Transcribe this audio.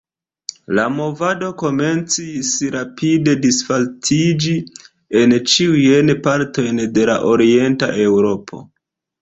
La movado komencis rapide disvastiĝi en ĉiujn partojn de orienta Eŭropo.